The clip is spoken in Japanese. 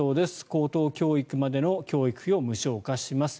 高等教育までの教育費を無償化します。